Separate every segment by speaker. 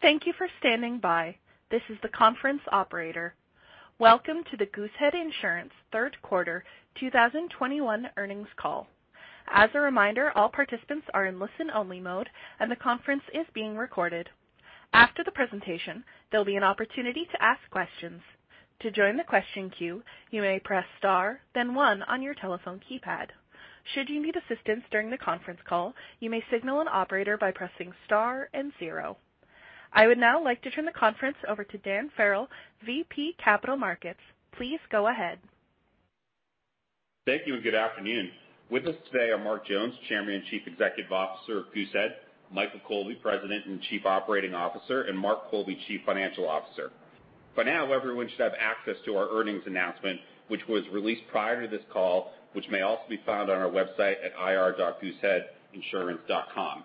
Speaker 1: Thank you for standing by. This is the conference operator. Welcome to the Goosehead Insurance third quarter 2021 earnings call. As a reminder, all participants are in listen-only mode, and the conference is being recorded. After the presentation, there'll be an opportunity to ask questions. To join the question queue, you may press Star, then one on your telephone keypad. Should you need assistance during the conference call, you may signal an operator by pressing Star and zero. I would now like to turn the conference over to Dan Farrell, VP, Capital Markets. Please go ahead.
Speaker 2: Thank you and good afternoon. With us today are Mark Jones, Chairman and Chief Executive Officer of Goosehead, Michael Colby, President and Chief Operating Officer, and Mark Colby, Chief Financial Officer. By now, everyone should have access to our earnings announcement, which was released prior to this call, which may also be found on our website at ir.gooseheadinsurance.com.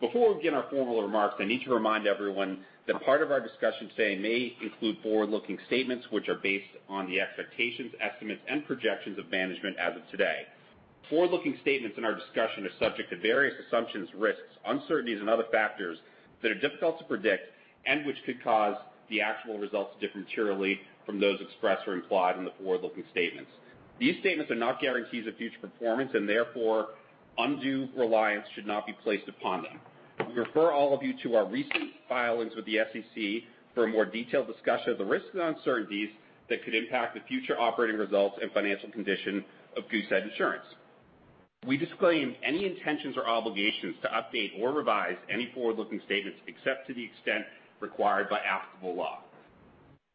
Speaker 2: Before we begin our formal remarks, I need to remind everyone that part of our discussion today may include forward-looking statements, which are based on the expectations, estimates, and projections of management as of today. Forward-looking statements in our discussion are subject to various assumptions, risks, uncertainties, and other factors that are difficult to predict and which could cause the actual results to differ materially from those expressed or implied in the forward-looking statements. These statements are not guarantees of future performance, and therefore undue reliance should not be placed upon them. We refer all of you to our recent filings with the SEC for a more detailed discussion of the risks and uncertainties that could impact the future operating results and financial condition of Goosehead Insurance. We disclaim any intentions or obligations to update or revise any forward-looking statements, except to the extent required by applicable law.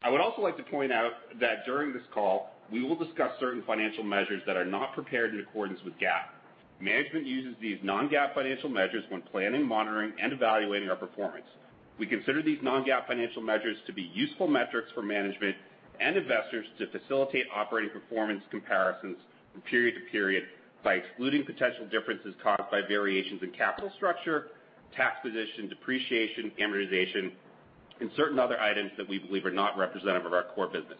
Speaker 2: I would also like to point out that during this call, we will discuss certain financial measures that are not prepared in accordance with GAAP. Management uses these non-GAAP financial measures when planning, monitoring, and evaluating our performance. We consider these non-GAAP financial measures to be useful metrics for management and investors to facilitate operating performance comparisons from period to period by excluding potential differences caused by variations in capital structure, tax position, depreciation, amortization, and certain other items that we believe are not representative of our core business.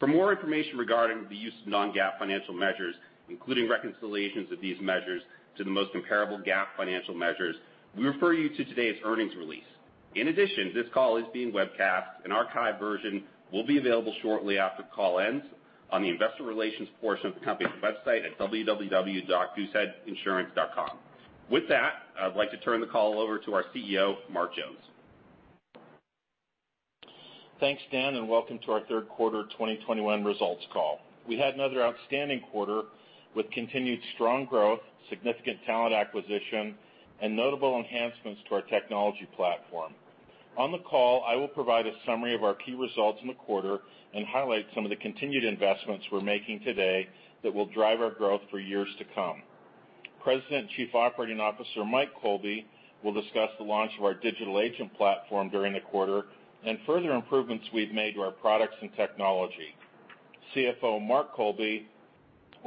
Speaker 2: For more information regarding the use of non-GAAP financial measures, including reconciliations of these measures to the most comparable GAAP financial measures, we refer you to today's earnings release. In addition, this call is being webcast. An archived version will be available shortly after the call ends on the investor relations portion of the company's website at www.gooseheadinsurance.com. With that, I'd like to turn the call over to our CEO, Mark Jones.
Speaker 3: Thanks, Dan, and welcome to our third quarter 2021 results call. We had another outstanding quarter with continued strong growth, significant talent acquisition, and notable enhancements to our technology platform. On the call, I will provide a summary of our key results in the quarter and highlight some of the continued investments we're making today that will drive our growth for years to come. President and Chief Operating Officer Mike Colby will discuss the launch of our Digital Agent platform during the quarter and further improvements we've made to our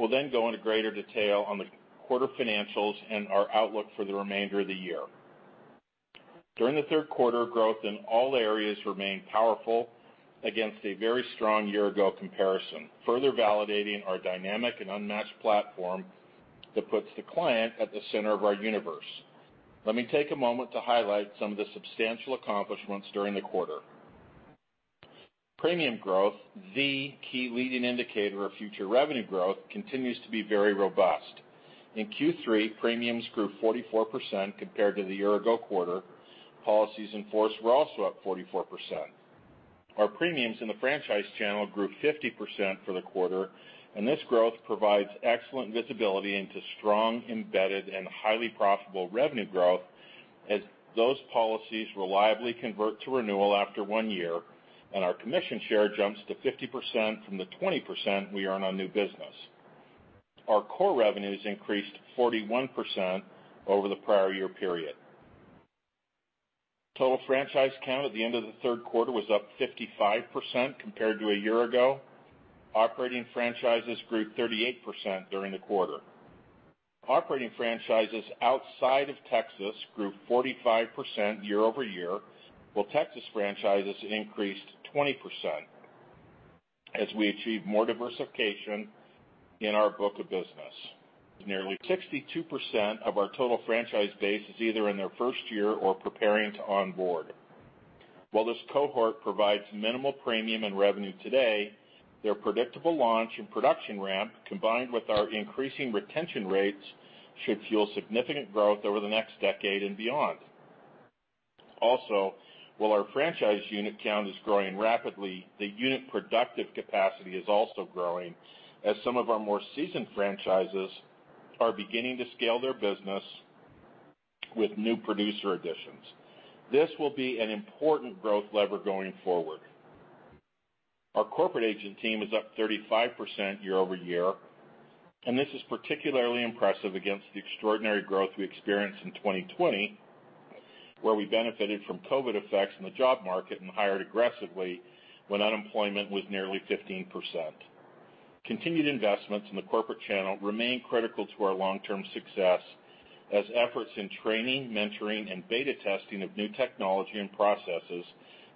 Speaker 3: products and technology. CFO Mark Colby will then go into greater detail on the quarter financials and our outlook for the remainder of the year. During the third quarter, growth in all areas remained powerful against a very strong year-ago comparison, further validating our dynamic and unmatched platform that puts the client at the center of our universe. Let me take a moment to highlight some of the substantial accomplishments during the quarter. Premium growth, the key leading indicator of future revenue growth, continues to be very robust. In Q3, premiums grew 44% compared to the year-ago quarter. Policies in force were also up 44%. Our premiums in the franchise channel grew 50% for the quarter, and this growth provides excellent visibility into strong, embedded, and highly profitable revenue growth as those policies reliably convert to renewal after one year and our commission share jumps to 50% from the 20% we earn on new business. Our core revenues increased 41% over the prior year period. Total franchise count at the end of the third quarter was up 55% compared to a year ago. Operating franchises grew 38% during the quarter. Operating franchises outside of Texas grew 45% year-over-year, while Texas franchises increased 20% as we achieve more diversification in our book of business. Nearly 62% of our total franchise base is either in their first year or preparing to onboard. While this cohort provides minimal premium and revenue today, their predictable launch and production ramp, combined with our increasing retention rates, should fuel significant growth over the next decade and beyond. Also, while our franchise unit count is growing rapidly, the unit productive capacity is also growing as some of our more seasoned franchises are beginning to scale their business with new producer additions. This will be an important growth lever going forward. Our corporate agent team is up 35% year-over-year, and this is particularly impressive against the extraordinary growth we experienced in 2020, where we benefited from COVID effects in the job market and hired aggressively when unemployment was nearly 15%. Continued investments in the corporate channel remain critical to our long-term success as efforts in training, mentoring, and beta testing of new technology and processes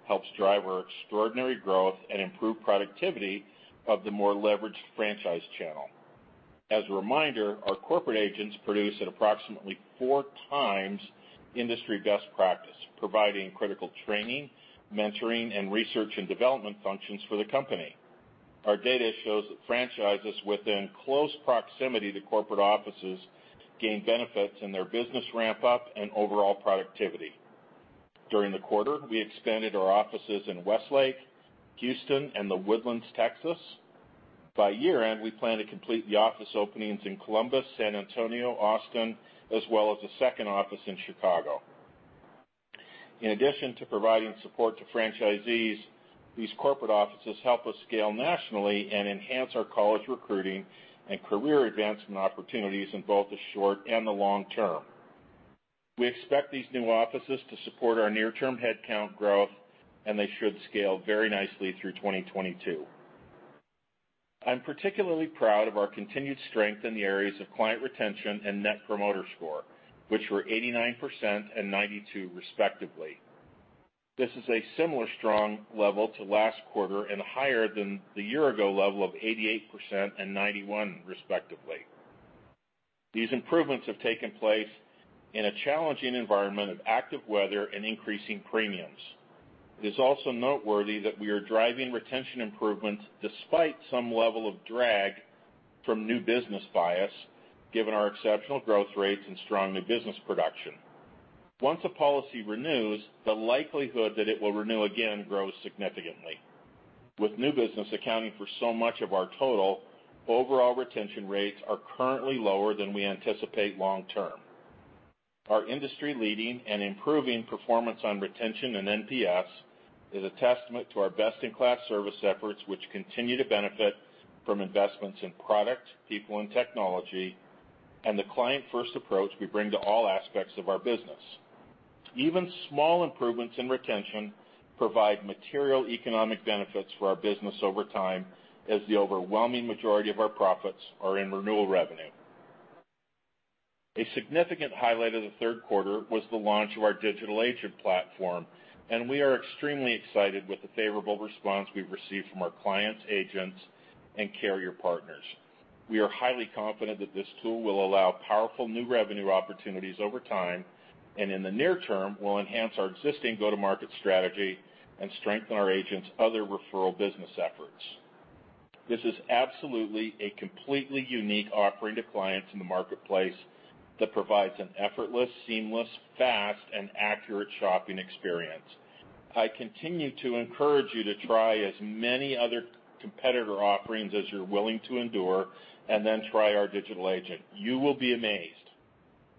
Speaker 3: helps drive our extraordinary growth and improve productivity of the more leveraged franchise channel. As a reminder, our corporate agents produce at approximately 4 times industry best practice, providing critical training, mentoring, and research and development functions for the company. Our data shows that franchises within close proximity to corporate offices gain benefits in their business ramp up and overall productivity. During the quarter, we expanded our offices in Westlake, Houston, and The Woodlands, Texas. By year-end, we plan to complete the office openings in Columbus, San Antonio, Austin, as well as a second office in Chicago. In addition to providing support to franchisees, these corporate offices help us scale nationally and enhance our college recruiting and career advancement opportunities in both the short and the long term. We expect these new offices to support our near-term headcount growth, and they should scale very nicely through 2022. I'm particularly proud of our continued strength in the areas of client retention and Net Promoter Score, which were 89% and 92 respectively. This is a similar strong level to last quarter and higher than the year ago level of 88% and 91 respectively. These improvements have taken place in a challenging environment of active weather and increasing premiums. It is also noteworthy that we are driving retention improvements despite some level of drag from new business bias, given our exceptional growth rates and strong new business production. Once a policy renews, the likelihood that it will renew again grows significantly. With new business accounting for so much of our total, overall retention rates are currently lower than we anticipate long term. Our industry leading and improving performance on retention and NPS is a testament to our best-in-class service efforts, which continue to benefit from investments in product, people, and technology, and the client first approach we bring to all aspects of our business. Even small improvements in retention provide material economic benefits for our business over time as the overwhelming majority of our profits are in renewal revenue. A significant highlight of the third quarter was the launch of our Digital Agent platform, and we are extremely excited with the favorable response we've received from our clients, agents, and carrier partners. We are highly confident that this tool will allow powerful new revenue opportunities over time, and in the near term will enhance our existing go-to-market strategy and strengthen our agents' other referral business efforts. This is absolutely a completely unique offering to clients in the marketplace that provides an effortless, seamless, fast, and accurate shopping experience. I continue to encourage you to try as many other competitor offerings as you're willing to endure, and then try our Digital Agent. You will be amazed.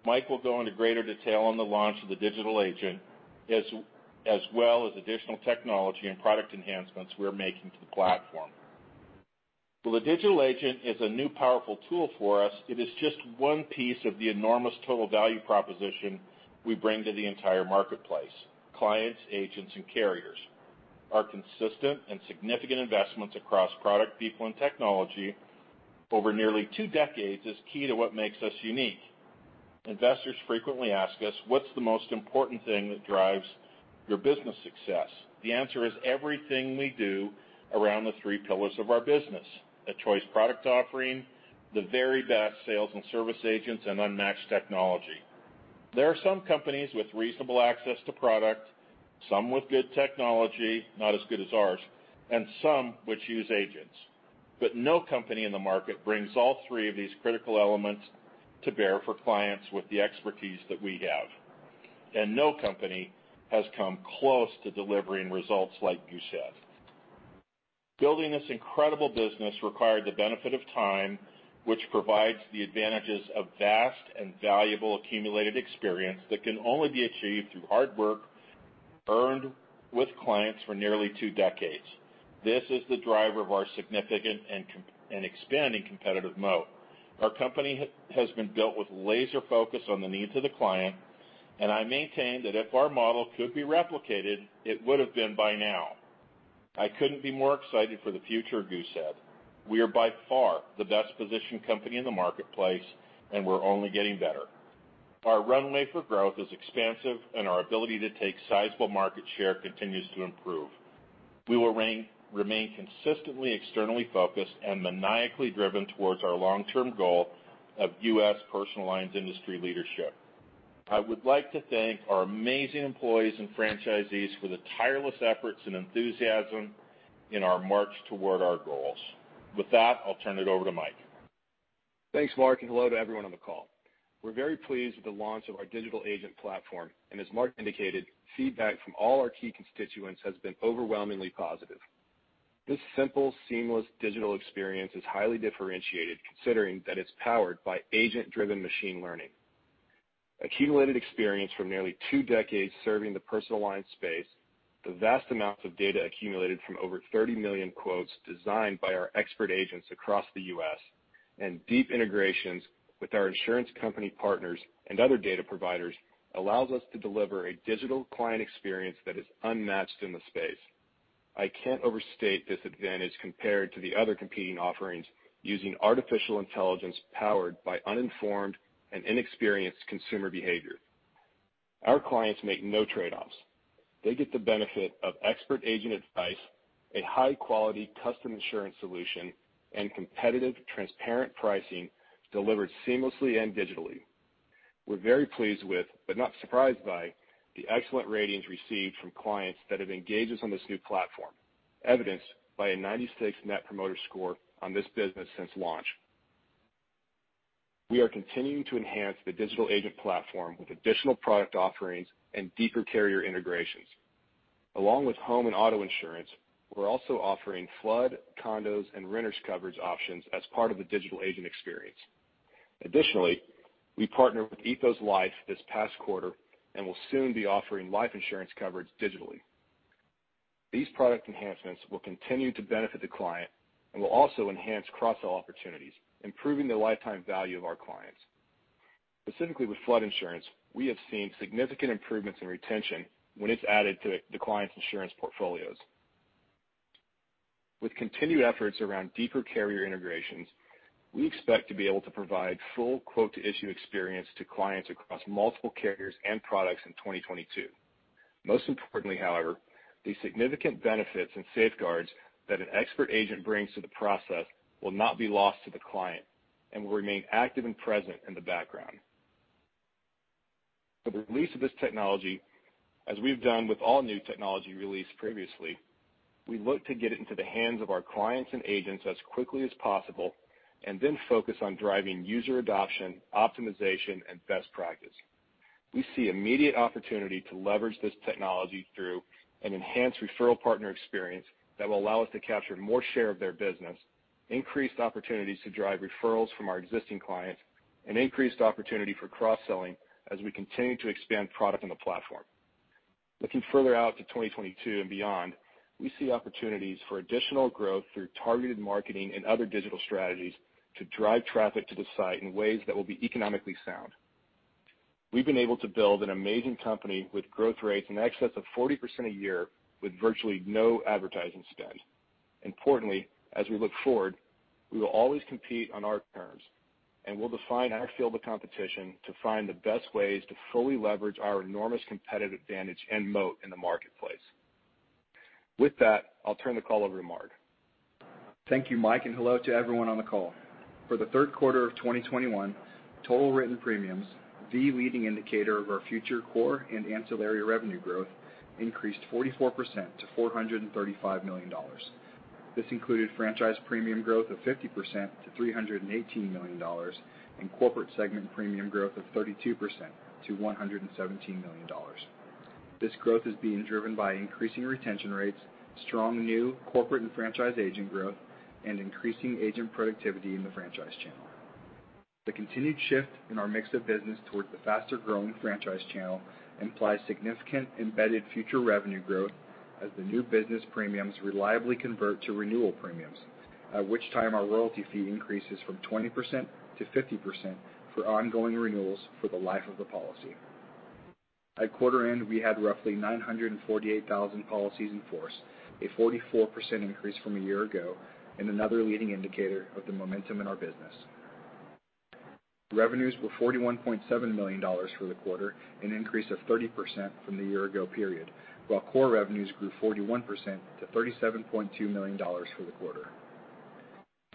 Speaker 3: Mike will go into greater detail on the launch of the Digital Agent as well as additional technology and product enhancements we are making to the platform. While the Digital Agent is a new powerful tool for us, it is just one piece of the enormous total value proposition we bring to the entire marketplace, clients, agents, and carriers. Our consistent and significant investments across product, people, and technology over nearly two decades is key to what makes us unique. Investors frequently ask us, "What's the most important thing that drives your business success?" The answer is everything we do around the three pillars of our business, a choice product offering, the very best sales and service agents, and unmatched technology. There are some companies with reasonable access to product, some with good technology, not as good as ours, and some which use agents. No company in the market brings all three of these critical elements to bear for clients with the expertise that we have. No company has come close to delivering results like Goosehead. Building this incredible business required the benefit of time, which provides the advantages of vast and valuable accumulated experience that can only be achieved through hard work earned with clients for nearly two decades. This is the driver of our significant and expanding competitive moat. Our company has been built with laser focus on the needs of the client, and I maintain that if our model could be replicated, it would have been by now. I couldn't be more excited for the future of Goosehead. We are by far the best positioned company in the marketplace, and we're only getting better. Our runway for growth is expansive, and our ability to take sizable market share continues to improve. We will remain consistently externally focused and maniacally driven towards our long-term goal of U.S. personal lines industry leadership. I would like to thank our amazing employees and franchisees for the tireless efforts and enthusiasm in our march toward our goals. With that, I'll turn it over to Mike.
Speaker 4: Thanks, Mark, and hello to everyone on the call. We're very pleased with the launch of our Digital Agent platform. As Mark indicated, feedback from all our key constituents has been overwhelmingly positive. This simple, seamless digital experience is highly differentiated considering that it's powered by agent-driven machine learning. Accumulated experience from nearly two decades serving the personal lines space, the vast amounts of data accumulated from over 30 million quotes designed by our expert agents across the U.S., and deep integrations with our insurance company partners and other data providers allows us to deliver a digital client experience that is unmatched in the space. I can't overstate this advantage compared to the other competing offerings using artificial intelligence powered by uninformed and inexperienced consumer behavior. Our clients make no trade-offs. They get the benefit of expert agent advice, a high quality custom insurance solution, and competitive, transparent pricing delivered seamlessly and digitally. We're very pleased with, but not surprised by, the excellent ratings received from clients that have engaged us on this new platform, evidenced by a 96 Net Promoter Score on this business since launch. We are continuing to enhance the Digital Agent platform with additional product offerings and deeper carrier integrations. Along with home and auto insurance, we're also offering flood, condos, and renters coverage options as part of the Digital Agent experience. Additionally, we partnered with Ethos Life this past quarter and will soon be offering life insurance coverage digitally. These product enhancements will continue to benefit the client and will also enhance cross-sell opportunities, improving the lifetime value of our clients. Specifically with flood insurance, we have seen significant improvements in retention when it's added to the clients' insurance portfolios. With continued efforts around deeper carrier integrations, we expect to be able to provide full quote-to-issue experience to clients across multiple carriers and products in 2022. Most importantly, however, the significant benefits and safeguards that an expert agent brings to the process will not be lost to the client and will remain active and present in the background. For the release of this technology, as we've done with all new technology released previously, we look to get it into the hands of our clients and agents as quickly as possible, and then focus on driving user adoption, optimization, and best practice. We see immediate opportunity to leverage this technology through an enhanced referral partner experience that will allow us to capture more share of their business, increased opportunities to drive referrals from our existing clients, and increased opportunity for cross-selling as we continue to expand product on the platform. Looking further out to 2022 and beyond, we see opportunities for additional growth through targeted marketing and other digital strategies to drive traffic to the site in ways that will be economically sound. We've been able to build an amazing company with growth rates in excess of 40% a year with virtually no advertising spend. Importantly, as we look forward, we will always compete on our terms, and we'll define our field of competition to find the best ways to fully leverage our enormous competitive advantage and moat in the marketplace. With that, I'll turn the call over to Mark.
Speaker 5: Thank you, Mike, and hello to everyone on the call. For the third quarter of 2021, total written premiums, the leading indicator of our future core and ancillary revenue growth, increased 44% to $435 million. This included franchise premium growth of 50% to $318 million and corporate segment premium growth of 32% to $117 million. This growth is being driven by increasing retention rates, strong new corporate and franchise agent growth, and increasing agent productivity in the franchise channel. The continued shift in our mix of business towards the faster-growing franchise channel implies significant embedded future revenue growth as the new business premiums reliably convert to renewal premiums, at which time our royalty fee increases from 20% to 50% for ongoing renewals for the life of the policy. At quarter end, we had roughly 948,000 policies in force, a 44% increase from a year ago, and another leading indicator of the momentum in our business. Revenues were $41.7 million for the quarter, an increase of 30% from the year ago period, while core revenues grew 41% to $37.2 million for the quarter.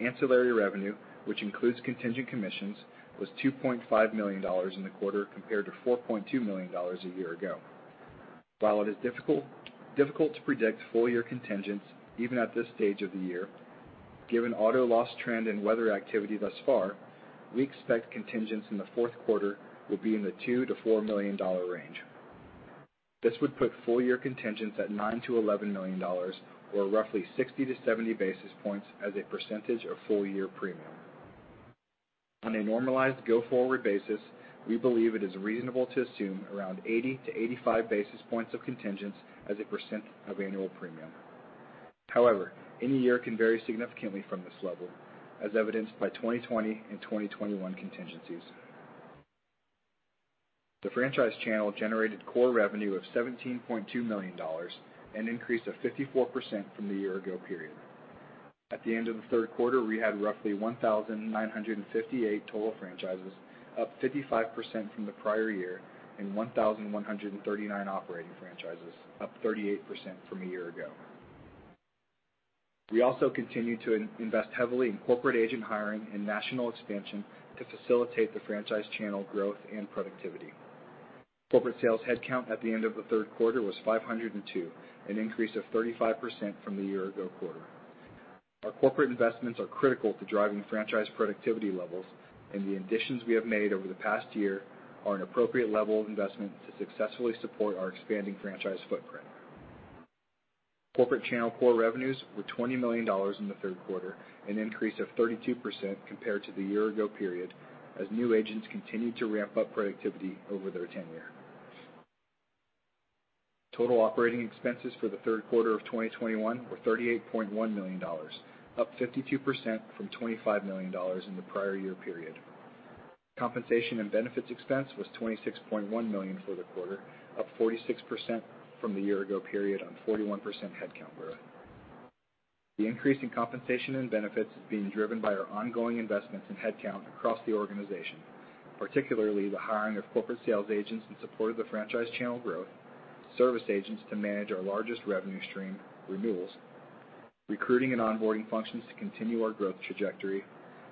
Speaker 5: Ancillary revenue, which includes contingent commissions, was $2.5 million in the quarter compared to $4.2 million a year ago. While it is difficult to predict full year contingents even at this stage of the year, given auto loss trend and weather activity thus far, we expect contingents in the fourth quarter will be in the $2 million-$4 million range. This would put full year contingents at $9 million-$11 million, or roughly 60-70 basis points as a percentage of full year premium. On a normalized go forward basis, we believe it is reasonable to assume around 80-85 basis points of contingents as a percent of annual premium. However, any year can vary significantly from this level, as evidenced by 2020 and 2021 contingencies. The franchise channel generated core revenue of $17.2 million, an increase of 54% from the year ago period. At the end of the third quarter, we had roughly 1,958 total franchises, up 55% from the prior year, and 1,139 operating franchises, up 38% from a year ago. We also continue to invest heavily in corporate agent hiring and national expansion to facilitate the franchise channel growth and productivity. Corporate sales headcount at the end of the third quarter was 502, an increase of 35% from the year ago quarter. Our corporate investments are critical to driving franchise productivity levels, and the additions we have made over the past year are an appropriate level of investment to successfully support our expanding franchise footprint. Corporate channel core revenues were $20 million in the third quarter, an increase of 32% compared to the year ago period as new agents continued to ramp up productivity over their tenure. Total operating expenses for the third quarter of 2021 were $38.1 million, up 52% from $25 million in the prior year period. Compensation and benefits expense was $26.1 million for the quarter, up 46% from the year ago period on 41% headcount growth. The increase in compensation and benefits is being driven by our ongoing investments in headcount across the organization, particularly the hiring of corporate sales agents in support of the franchise channel growth, service agents to manage our largest revenue stream renewals, recruiting and onboarding functions to continue our growth trajectory,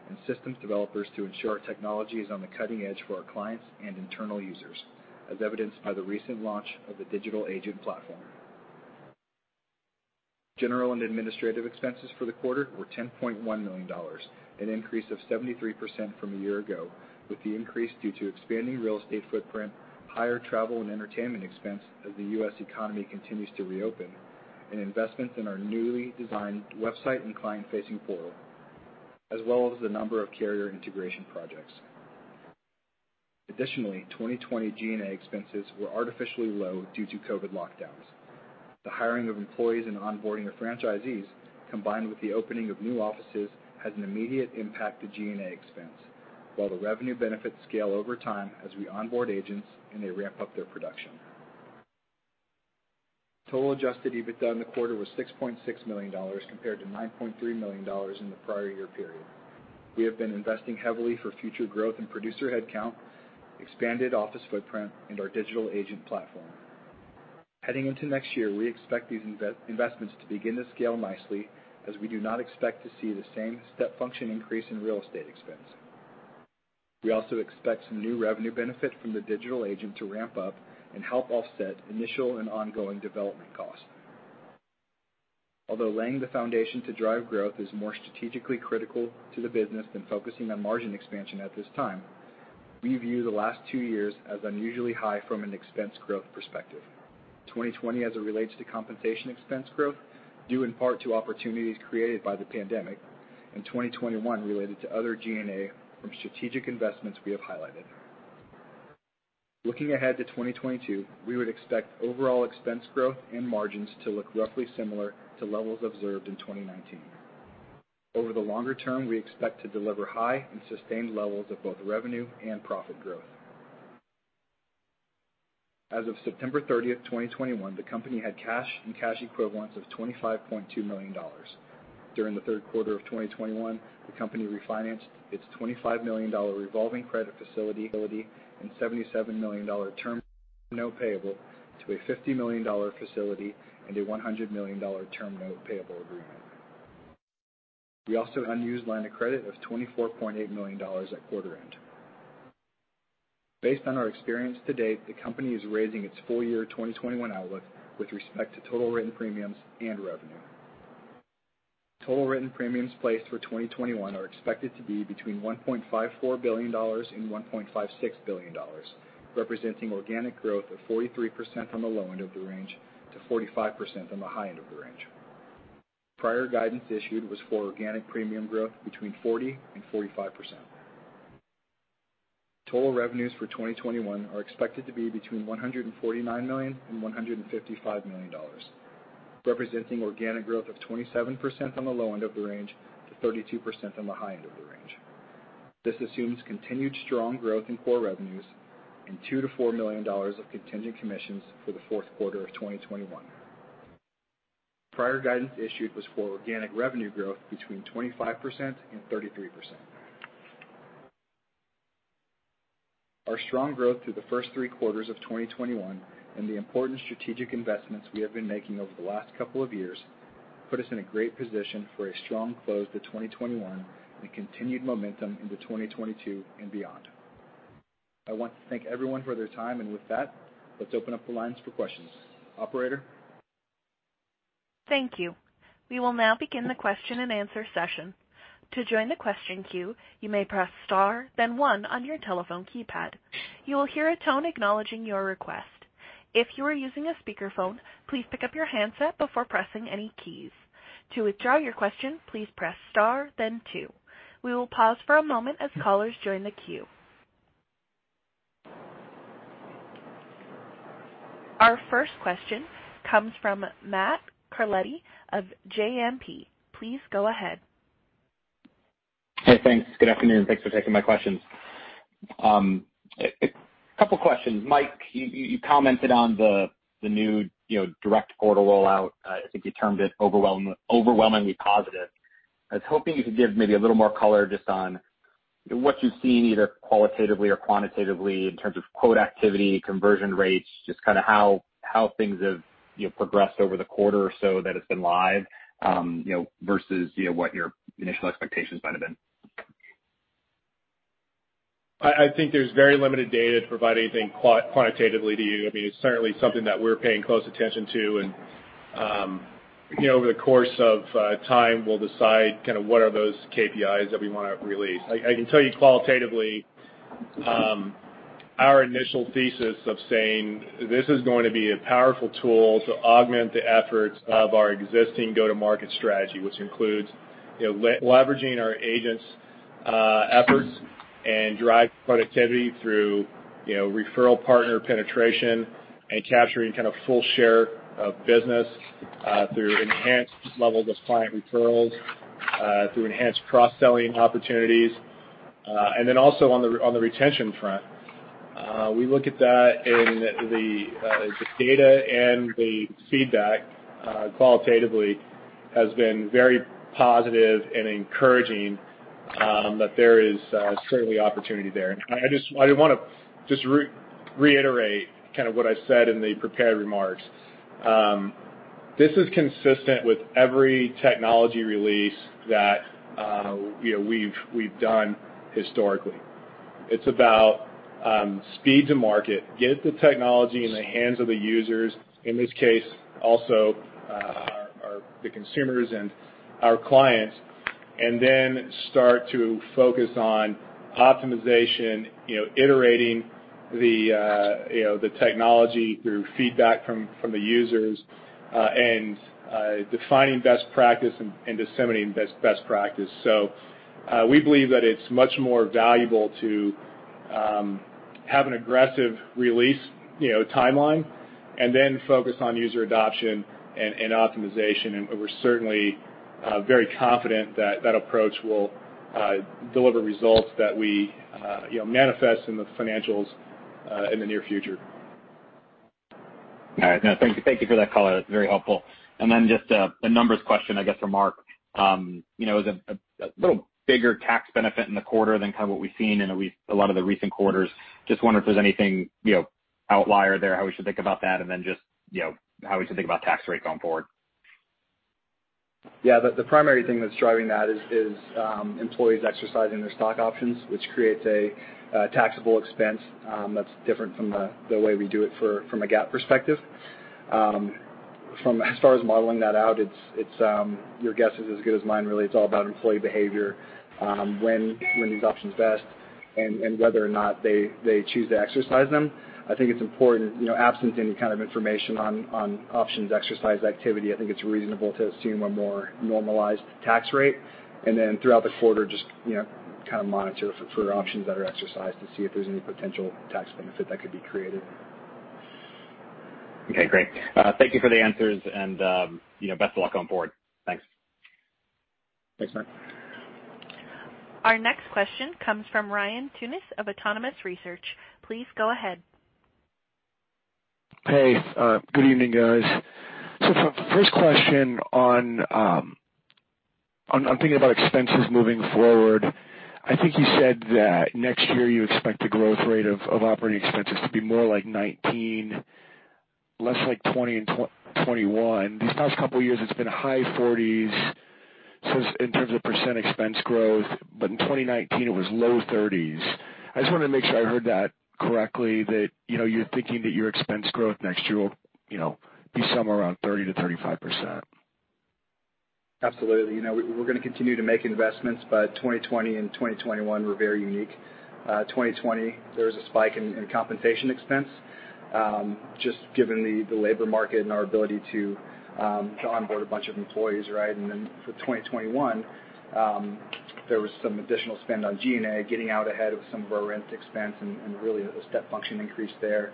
Speaker 5: and systems developers to ensure our technology is on the cutting edge for our clients and internal users, as evidenced by the recent launch of the Digital Agent platform. General and administrative expenses for the quarter were $10.1 million, an increase of 73% from a year ago, with the increase due to expanding real estate footprint, higher travel and entertainment expense as the U.S. economy continues to reopen, and investments in our newly designed website and client-facing portal, as well as the number of carrier integration projects. Additionally, 2020 G&A expenses were artificially low due to COVID lockdowns. The hiring of employees and onboarding of franchisees, combined with the opening of new offices, has an immediate impact to G&A expense, while the revenue benefits scale over time as we onboard agents and they ramp up their production. Total adjusted EBITDA in the quarter was $6.6 million compared to $9.3 million in the prior year period. We have been investing heavily for future growth in producer headcount, expanded office footprint, and our Digital Agent platform. Heading into next year, we expect these investments to begin to scale nicely as we do not expect to see the same step function increase in real estate expense. We also expect some new revenue benefit from the Digital Agent to ramp up and help offset initial and ongoing development costs. Although laying the foundation to drive growth is more strategically critical to the business than focusing on margin expansion at this time, we view the last two years as unusually high from an expense growth perspective. 2020 as it relates to compensation expense growth, due in part to opportunities created by the pandemic, and 2021 related to other G&A from strategic investments we have highlighted. Looking ahead to 2022, we would expect overall expense growth and margins to look roughly similar to levels observed in 2019. Over the longer term, we expect to deliver high and sustained levels of both revenue and profit growth. As of September 30, 2021, the company had cash and cash equivalents of $25.2 million. During the third quarter of 2021, the company refinanced its $25 million revolving credit facility and $77 million term note payable to a $50 million facility and a $100 million term note payable agreement. We also had unused line of credit of $24.8 million at quarter end. Based on our experience to date, the company is raising its full year 2021 outlook with respect to total written premiums and revenue. Total written premiums placed for 2021 are expected to be between $1.54 billion and $1.56 billion, representing organic growth of 43% on the low end of the range to 45% on the high end of the range. Prior guidance issued was for organic premium growth between 40% and 45%. Total revenues for 2021 are expected to be between $149 million and $155 million, representing organic growth of 27% on the low end of the range to 32% on the high end of the range. This assumes continued strong growth in core revenues and $2 million-$4 million of contingent commissions for the fourth quarter of 2021. Prior guidance issued was for organic revenue growth between 25% and 33%. Our strong growth through the first three quarters of 2021 and the important strategic investments we have been making over the last couple of years put us in a great position for a strong close to 2021 and continued momentum into 2022 and beyond. I want to thank everyone for their time, and with that, let's open up the lines for questions. Operator?
Speaker 1: Thank you. We will now begin the question-and-answer session. To join the question queue, you may press star then one on your telephone keypad. You will hear a tone acknowledging your request. If you are using a speakerphone, please pick up your handset before pressing any keys. To withdraw your question, please press star then two. We will pause for a moment as callers join the queue. Our first question comes from Matt Carletti of JMP. Please go ahead.
Speaker 6: Hey, thanks. Good afternoon, and thanks for taking my questions. A couple questions. Mike, you commented on the new, you know, direct portal rollout. I think you termed it overwhelmingly positive. I was hoping you could give maybe a little more color just on what you've seen either qualitatively or quantitatively in terms of quote activity, conversion rates, just kinda how things have, you know, progressed over the quarter or so that it's been live, you know, versus, you know, what your initial expectations might have been.
Speaker 4: I think there's very limited data to provide anything quantitatively to you. I mean, it's certainly something that we're paying close attention to, and you know, over the course of time, we'll decide kinda what are those KPIs that we wanna release. I can tell you qualitatively, our initial thesis of saying this is going to be a powerful tool to augment the efforts of our existing go-to-market strategy, which includes, you know, leveraging our agents' efforts and drive productivity through, you know, referral partner penetration and capturing kind of full share of business through enhanced levels of client referrals through enhanced cross-selling opportunities. And then also on the retention front. We look at that in the data and the qualitative feedback has been very positive and encouraging that there is certainly opportunity there. I did want to just reiterate kind of what I said in the prepared remarks. This is consistent with every technology release that you know we've done historically. It's about speed to market, get the technology in the hands of the users, in this case also the consumers and our clients, and then start to focus on optimization, you know, iterating you know the technology through feedback from the users and defining best practice and disseminating best practice. We believe that it's much more valuable to have an aggressive release, you know, timeline and then focus on user adoption and optimization. We're certainly very confident that that approach will deliver results that we, you know, manifest in the financials in the near future.
Speaker 6: All right. No, thank you. Thank you for that color. That's very helpful. Just a numbers question, I guess, for Mark. You know, is it a little bigger tax benefit in the quarter than kind of what we've seen in a lot of the recent quarters? Just wonder if there's anything, you know, outlier there, how we should think about that, and then just, you know, how we should think about tax rates going forward.
Speaker 5: Yeah. The primary thing that's driving that is employees exercising their stock options, which creates a taxable expense that's different from the way we do it from a GAAP perspective. As far as modeling that out, it's your guess is as good as mine, really. It's all about employee behavior, when these options vest and whether or not they choose to exercise them. I think it's important, you know, absent any kind of information on options exercise activity. I think it's reasonable to assume a more normalized tax rate, and then throughout the quarter just, you know, kind of monitor for options that are exercised to see if there's any potential tax benefit that could be created.
Speaker 6: Okay, great. Thank you for the answers and, you know, best of luck on board. Thanks.
Speaker 5: Thanks, Mark.
Speaker 1: Our next question comes from Ryan Tunis of Autonomous Research. Please go ahead.
Speaker 7: Hey, good evening, guys. First question on thinking about expenses moving forward. I think you said that next year you expect the growth rate of operating expenses to be more like 19%, less like 20% in 2021. These past couple years, it's been high 40s%, so in terms of percent expense growth, but in 2019 it was low 30s%. I just wanted to make sure I heard that correctly that, you know, you're thinking that your expense growth next year will, you know, be somewhere around 30%-35%.
Speaker 5: Absolutely. You know, we're gonna continue to make investments, but 2020 and 2021 were very unique. 2020, there was a spike in compensation expense, just given the labor market and our ability to onboard a bunch of employees, right? For 2021, there was some additional spend on G&A getting out ahead of some of our rent expense and really a step function increase there.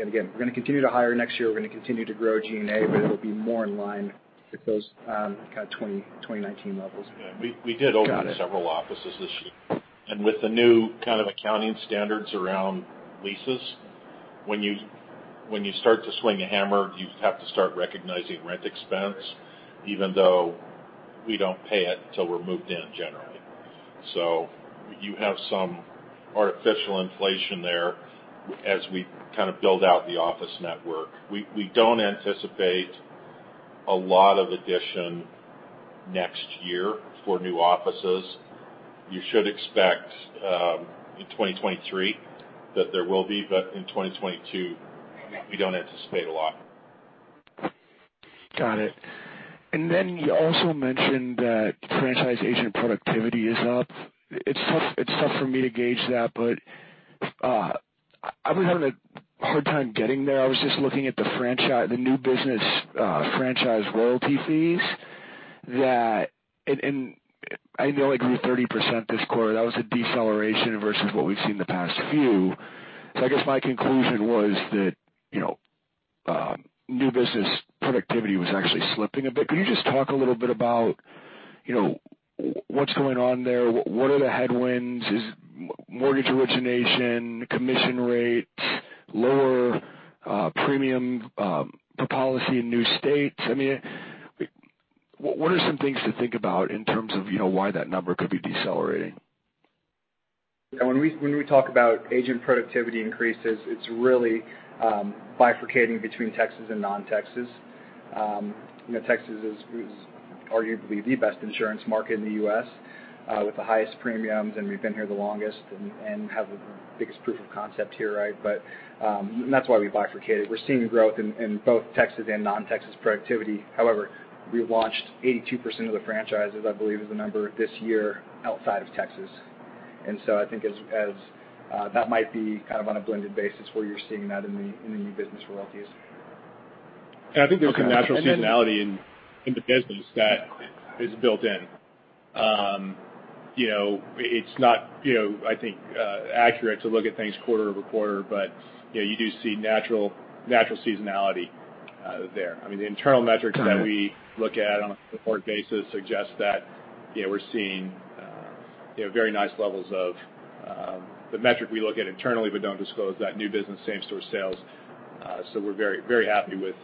Speaker 5: Again, we're gonna continue to hire next year. We're gonna continue to grow G&A, but it'll be more in line with those kind of 2019 levels.
Speaker 4: Yeah. We did open- Got it. Several offices this year. With the new kind of accounting standards around leases, when you start to swing a hammer, you have to start recognizing rent expense, even though we don't pay it till we're moved in generally. You have some artificial inflation there as we kind of build out the office network. We don't anticipate a lot of addition next year for new offices. You should expect in 2023 that there will be, but in 2022, we don't anticipate a lot.
Speaker 7: Got it. You also mentioned that franchise agent productivity is up. It's tough for me to gauge that, but I've been having a hard time getting there. I was just looking at the new business franchise royalty fees. I know it grew 30% this quarter. That was a deceleration versus what we've seen in the past few. I guess my conclusion was that, you know, new business productivity was actually slipping a bit. Could you just talk a little bit about, you know, what's going on there? What are the headwinds? Is mortgage origination, commission rates, lower premium per policy in new states? I mean, what are some things to think about in terms of, you know, why that number could be decelerating?
Speaker 5: Yeah, when we talk about agent productivity increases, it's really bifurcating between Texas and non-Texas. You know, Texas is arguably the best insurance market in the U.S., with the highest premiums, and we've been here the longest and have the biggest proof of concept here, right? That's why we bifurcated. We're seeing growth in both Texas and non-Texas productivity. However, we launched 82% of the franchises, I believe is the number, this year outside of Texas. I think that might be kind of on a blended basis where you're seeing that in the new business royalties.
Speaker 4: I think there's a natural seasonality in the business that is built in. You know, it's not, you know, I think, accurate to look at things quarter-over-quarter, but, you know, you do see natural seasonality there. I mean, the internal metrics that we look at on a support basis suggest that we're seeing, you know, very nice levels of the metric we look at internally, but don't disclose that new business, same store sales. So we're very happy with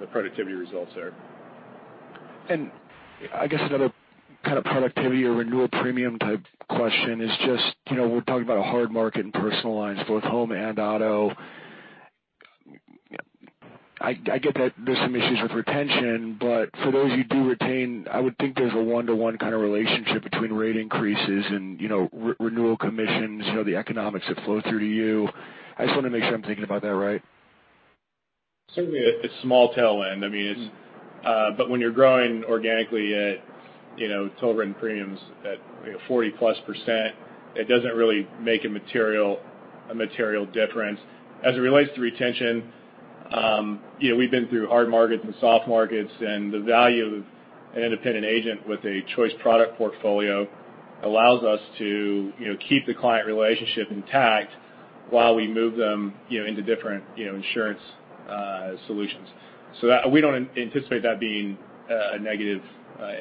Speaker 4: the productivity results there.
Speaker 7: I guess another kind of productivity or renewal premium type question is just, you know, we're talking about a hard market in personal lines, both home and auto. I get that there's some issues with retention, but for those you do retain, I would think there's a one-to-one kind of relationship between rate increases and, you know, renewal commissions, you know, the economics that flow through to you. I just wanna make sure I'm thinking about that right.
Speaker 4: Certainly a small tail end. I mean, it's but when you're growing organically at, you know, total written premiums at, you know, 40%+, it doesn't really make a material difference. As it relates to retention, you know, we've been through hard markets and soft markets, and the value of an independent agent with a choice product portfolio allows us to, you know, keep the client relationship intact while we move them, you know, into different, you know, insurance solutions. That we don't anticipate that being a negative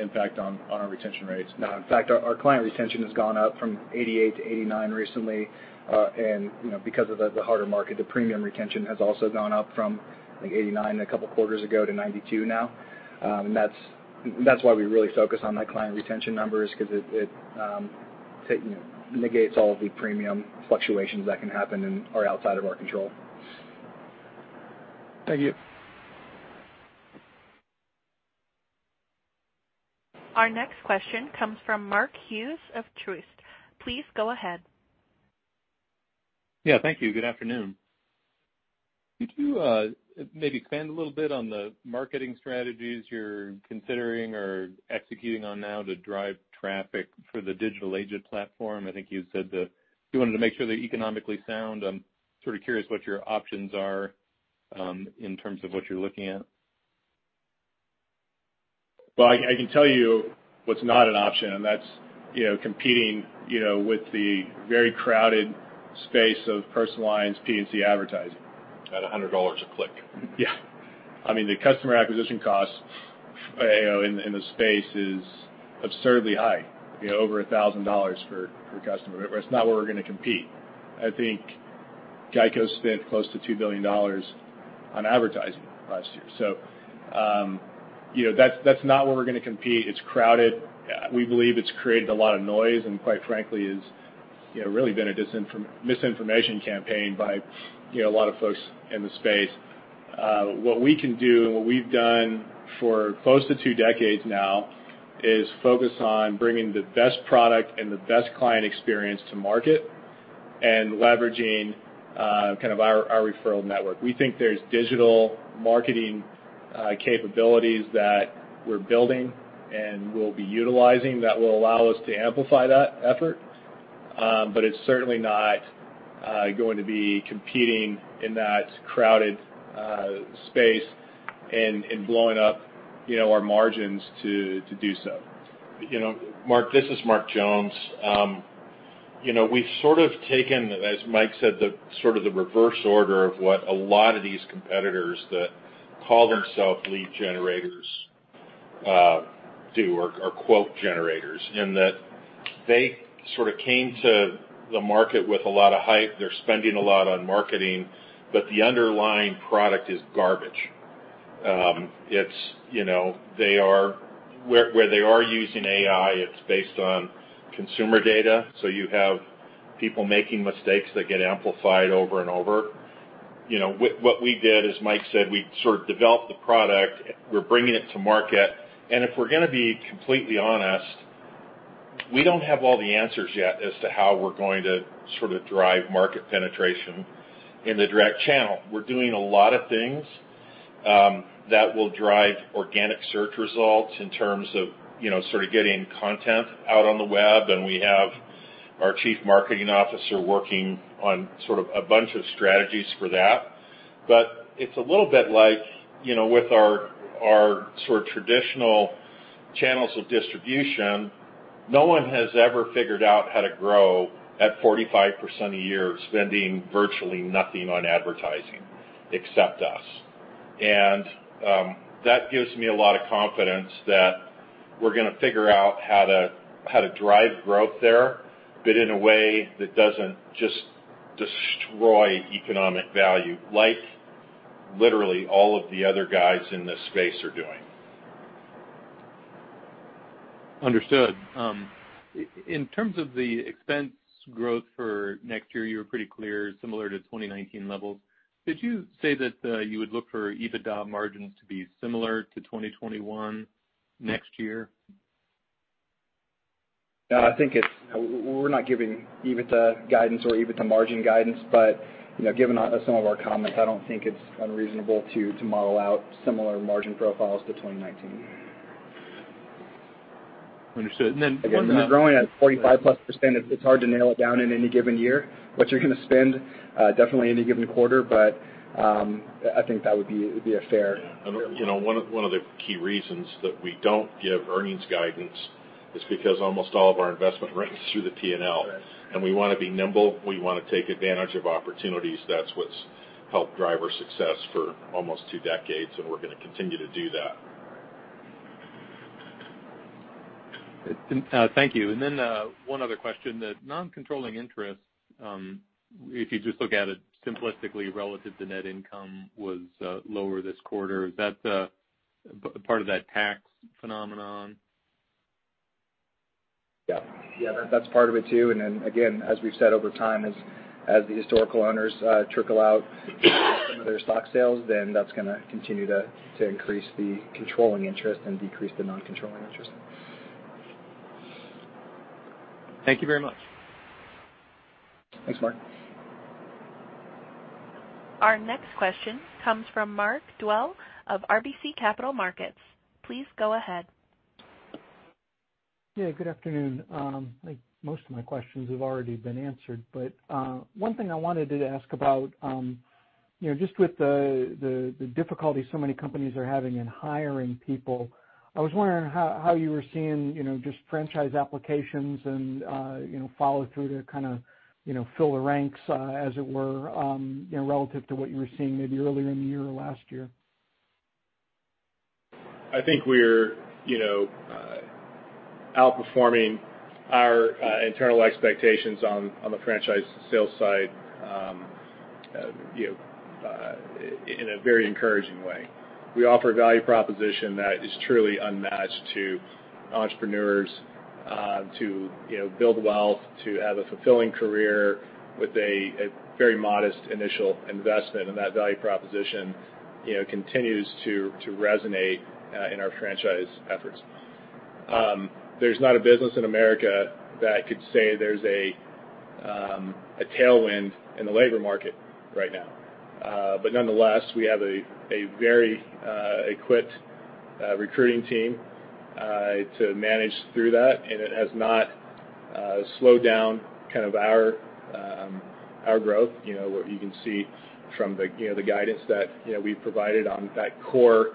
Speaker 4: impact on our retention rates.
Speaker 3: No. In fact, our client retention has gone up from 88% to 89% recently. You know, because of the harder market, the premium retention has also gone up from, like, 89% a couple quarters ago to 92% now. That's why we really focus on that client retention numbers 'cause it you know negates all of the premium fluctuations that can happen and are outside of our control.
Speaker 7: Thank you.
Speaker 1: Our next question comes from Mark Hughes of Truist. Please go ahead.
Speaker 8: Yeah, thank you. Good afternoon. Could you maybe expand a little bit on the marketing strategies you're considering or executing on now to drive traffic for the Digital Agent platform? I think you said that you wanted to make sure they're economically sound. I'm sort of curious what your options are, in terms of what you're looking at.
Speaker 4: Well, I can tell you what's not an option, and that's, you know, competing, you know, with the very crowded space of personal lines P&C advertising.
Speaker 3: At $100 a click.
Speaker 4: Yeah. I mean, the customer acquisition cost, you know, in the space is absurdly high, you know, over $1,000 per customer. It's not where we're gonna compete. I think GEICO spent close to $2 billion on advertising last year. You know, that's not where we're gonna compete. It's crowded. We believe it's created a lot of noise and quite frankly, you know, really been a disinformation campaign by, you know, a lot of folks in the space. What we can do and what we've done for close to two decades now is focus on bringing the best product and the best client experience to market and leveraging kind of our referral network. We think there's digital marketing capabilities that we're building and we'll be utilizing that will allow us to amplify that effort. It's certainly not going to be competing in that crowded space and blowing up, you know, our margins to do so.
Speaker 3: You know, Mark, this is Mark Jones. You know, we've sort of taken, as Mike said, the sort of reverse order of what a lot of these competitors that call themselves lead generators do or quote generators, in that they sort of came to the market with a lot of hype. They're spending a lot on marketing, but the underlying product is garbage. It's, you know, where they are using AI, it's based on consumer data, so you have people making mistakes that get amplified over and over. You know, what we did, as Mike said, we sort of developed the product. We're bringing it to market. If we're gonna be completely honest, we don't have all the answers yet as to how we're going to sort of drive market penetration in the direct channel. We're doing a lot of things that will drive organic search results in terms of, you know, sort of getting content out on the web, and we have our Chief Marketing Officer working on sort of a bunch of strategies for that. But it's a little bit like, you know, with our sort of traditional channels of distribution, no one has ever figured out how to grow at 45% a year spending virtually nothing on advertising except us. That gives me a lot of confidence that we're gonna figure out how to drive growth there, but in a way that doesn't just destroy economic value, like literally all of the other guys in this space are doing.
Speaker 8: Understood. In terms of the expense growth for next year, you were pretty clear similar to 2019 levels. Did you say that you would look for EBITDA margins to be similar to 2021 next year?
Speaker 3: No, I think we're not giving EBITDA guidance or EBITDA margin guidance, but, you know, given some of our comments, I don't think it's unreasonable to model out similar margin profiles to 2019.
Speaker 8: Understood.
Speaker 3: Again, when you're growing at 45%+, it's hard to nail it down in any given year what you're gonna spend, definitely any given quarter, but, I think that would be a fair-
Speaker 4: You know, one of the key reasons that we don't give earnings guidance is because almost all of our investment runs through the P&L.
Speaker 3: Right.
Speaker 4: We wanna be nimble. We wanna take advantage of opportunities. That's what's helped drive our success for almost two decades, and we're gonna continue to do that.
Speaker 8: Thank you. One other question. The non-controlling interest, if you just look at it simplistically relative to net income, was lower this quarter. Is that part of that tax phenomenon?
Speaker 5: Yeah. Yeah, that's part of it too. Then again, as we've said over time, as the historical owners trickle out some of their stock sales, then that's gonna continue to increase the controlling interest and decrease the non-controlling interest.
Speaker 8: Thank you very much.
Speaker 5: Thanks, Mark.
Speaker 1: Our next question comes from Mark Dwelle of RBC Capital Markets. Please go ahead.
Speaker 9: Yeah, good afternoon. I think most of my questions have already been answered. One thing I wanted to ask about, you know, just with the difficulty so many companies are having in hiring people, I was wondering how you were seeing, you know, just franchise applications and, you know, follow through to kinda, you know, fill the ranks, as it were, you know, relative to what you were seeing maybe earlier in the year or last year.
Speaker 4: I think we're, you know, outperforming our internal expectations on the franchise sales side, you know, in a very encouraging way. We offer a value proposition that is truly unmatched to entrepreneurs, to build wealth, to have a fulfilling career with a very modest initial investment. That value proposition continues to resonate in our franchise efforts. There's not a business in America that could say there's a tailwind in the labor market right now. Nonetheless, we have a very equipped recruiting team to manage through that, and it has not slowed down kind of our growth. You know, what you can see from the, you know, the guidance that, you know, we provided on that core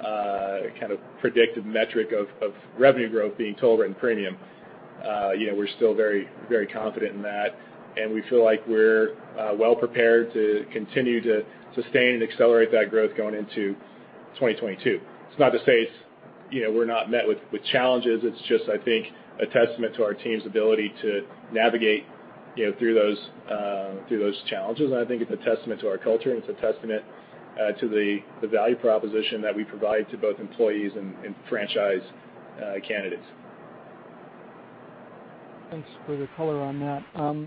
Speaker 4: kind of predictive metric of revenue growth being total written premium. You know, we're still very, very confident in that, and we feel like we're well prepared to continue to sustain and accelerate that growth going into 2022. It's not to say it's, you know, we're not met with challenges. It's just, I think, a testament to our team's ability to navigate, you know, through those challenges. I think it's a testament to our culture, and it's a testament to the value proposition that we provide to both employees and franchise candidates.
Speaker 9: Thanks for the color on that.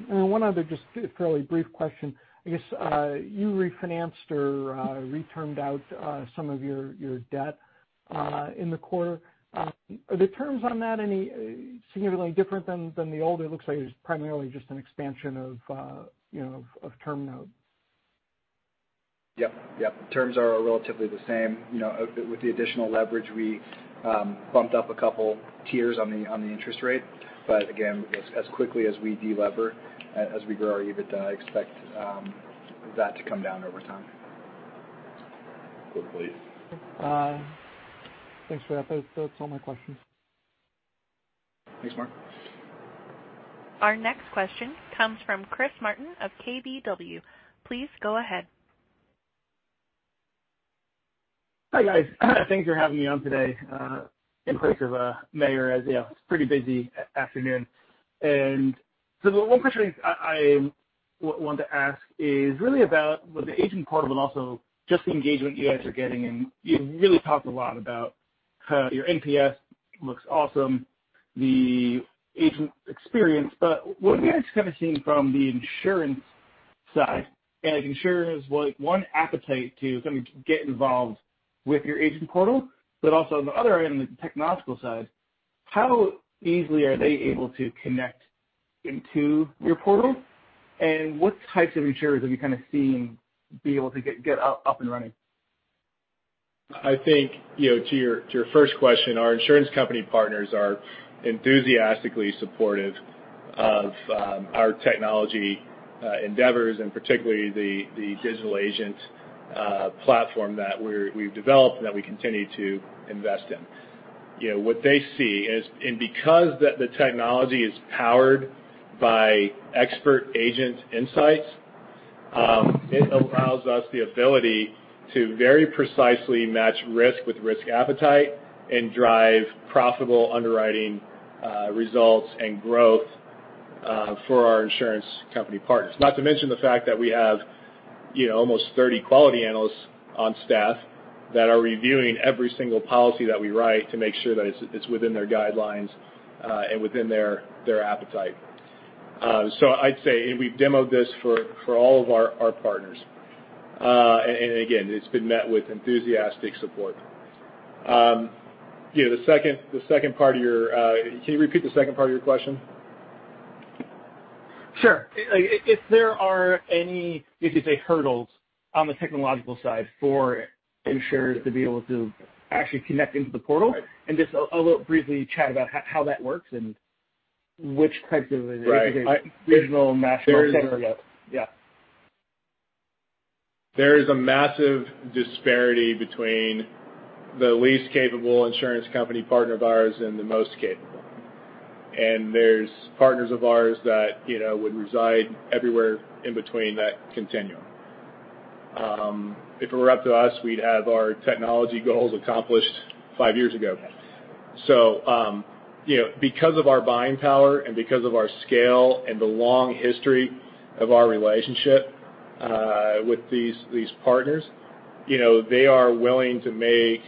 Speaker 9: One other just fairly brief question. I guess you refinanced or re-termed out some of your debt in the quarter. Are the terms on that any significantly different than the old? It looks like it's primarily just an expansion of, you know, of term loan.
Speaker 5: Yep. Terms are relatively the same. You know, with the additional leverage, we bumped up a couple tiers on the interest rate. Again, as quickly as we de-lever, as we grow our EBITDA, I expect that to come down over time.
Speaker 1: Go please.
Speaker 9: Thanks for that. That's all my questions.
Speaker 5: Thanks, Mark.
Speaker 1: Our next question comes from Christopher Martin of KBW. Please go ahead.
Speaker 10: Hi, guys. Thanks for having me on today, in place of Meyer, as you know, it's a pretty busy afternoon. The one question I want to ask is really about with the agent portal but also just the engagement you guys are getting. You really talked a lot about how your NPS looks awesome, the agent experience. But what are you guys kinda seeing from the insurance side as insurers want one appetite to kind of get involved with your agent portal, but also on the other end, the technological side, how easily are they able to connect into your portal? What types of insurers are you kinda seeing be able to get up and running?
Speaker 4: I think, you know, to your first question, our insurance company partners are enthusiastically supportive of our technology endeavors and particularly the Digital Agent platform that we've developed that we continue to invest in. You know, what they see is because the technology is powered by expert agent insights, it allows us the ability to very precisely match risk with risk appetite and drive profitable underwriting results and growth for our insurance company partners. Not to mention the fact that we have, you know, almost 30 quality analysts on staff that are reviewing every single policy that we write to make sure that it's within their guidelines and within their appetite. I'd say we've demoed this for all of our partners. Again, it's been met with enthusiastic support. You know, the second part of your question? Can you repeat the second part of your question?
Speaker 10: Sure. If there are any, you could say, hurdles on the technological side for insurers to be able to actually connect into the portal.
Speaker 4: Right.
Speaker 10: Just a little brief chat about how that works and which types of
Speaker 4: Right.
Speaker 10: Is it regional, national, et cetera?
Speaker 4: There is-
Speaker 10: Yeah.
Speaker 4: There is a massive disparity between the least capable insurance company partner of ours and the most capable. There's partners of ours that, you know, would reside everywhere in between that continuum. If it were up to us, we'd have our technology goals accomplished five years ago. You know, because of our buying power and because of our scale and the long history of our relationship with these partners, you know, they are willing to make,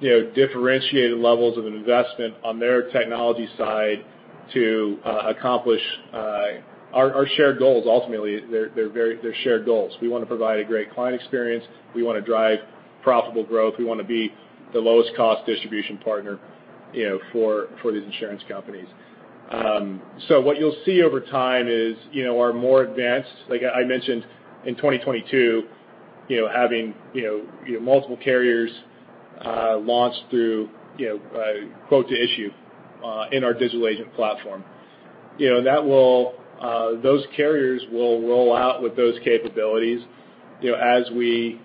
Speaker 4: you know, differentiated levels of investment on their technology side to accomplish our shared goals. Ultimately, they're shared goals. We wanna provide a great client experience, we wanna drive profitable growth, we wanna be the lowest cost distribution partner, you know, for these insurance companies. What you'll see over time is, you know, our more advanced... Like I mentioned, in 2022, you know, having, you know, multiple carriers launch through, you know, quote to issue in our Digital Agent platform. You know, those carriers will roll out with those capabilities, you know, as we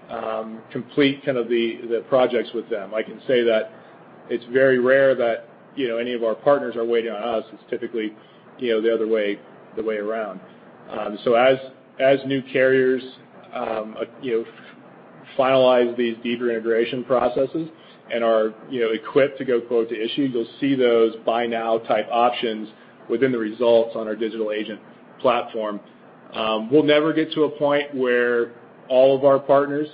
Speaker 4: complete kind of the projects with them. I can say that it's very rare that, you know, any of our partners are waiting on us. It's typically, you know, the other way, the way around. As new carriers, you know, finalize these deeper integration processes and are, you know, equipped to go quote to issue, you'll see those buy now type options within the results on our Digital Agent platform. We'll never get to a point where all of our partners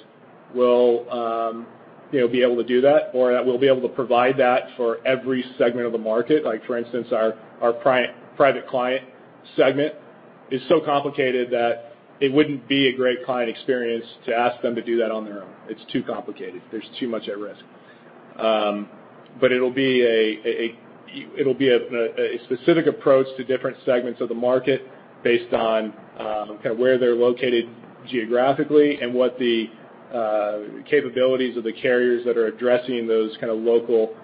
Speaker 4: will, you know, be able to do that or that we'll be able to provide that for every segment of the market. Like for instance, our private client segment is so complicated that it wouldn't be a great client experience to ask them to do that on their own. It's too complicated. There's too much at risk. But it'll be a specific approach to different segments of the market based on kinda where they're located geographically and what the capabilities of the carriers that are addressing those kinda local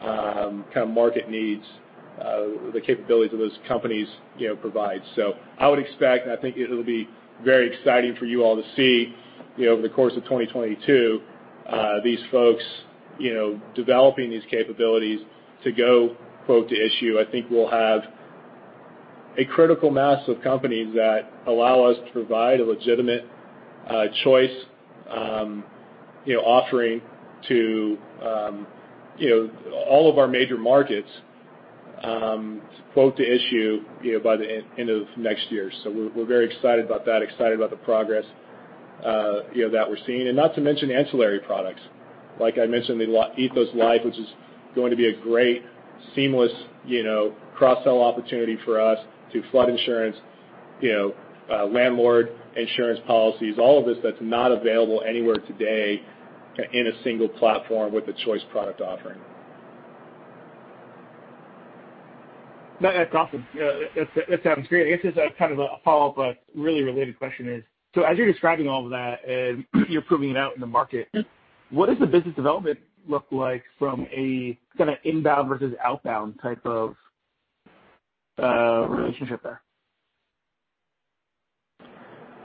Speaker 4: kinda market needs, the capabilities of those companies, you know, provide. I would expect, and I think it'll be very exciting for you all to see, you know, over the course of 2022, these folks, you know, developing these capabilities to go quote to issue. I think we'll have a critical mass of companies that allow us to provide a legitimate, choice, you know, offering to, you know, all of our major markets, quote to issue, you know, by the end of next year. We're very excited about that, excited about the progress, you know, that we're seeing. Not to mention ancillary products. Like I mentioned, the Ethos Life, which is going to be a great seamless, you know, cross-sell opportunity for us to flood insurance, you know, landlord insurance policies, all of this that's not available anywhere today in a single platform with a choice product offering.
Speaker 10: No, that's awesome. That sounds great. I guess just a kind of a follow-up, but really related question is, so as you're describing all of that and you're proving it out in the market-
Speaker 4: Mm-hmm.
Speaker 10: What does the business development look like from a kinda inbound versus outbound type of relationship there?